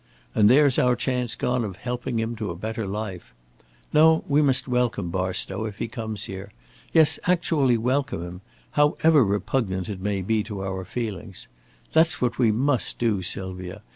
And there's our chance gone of helping him to a better life. No, we must welcome Barstow, if he comes here. Yes, actually welcome him, however repugnant it may be to our feelings. That's what we must do, Sylvia.